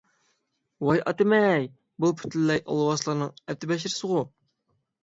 ۋاي ئاتىمەي! بۇ پۈتۈنلەي ئالۋاستىلارنىڭ ئەپت - بەشىرىسىغۇ!